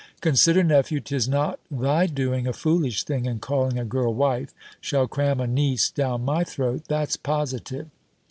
"Consider, nephew, 'tis not thy doing a foolish thing, and calling a girl wife, shall cram a niece down my throat, that's positive.